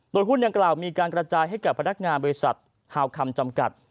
โดยหุ้นดังกล่าวมีการกระจายให้กับพนักงานบริษัทฮาวคัมจำกัด